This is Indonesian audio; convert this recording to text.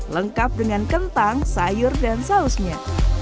lengkap dengan kentang sayur dan sausnya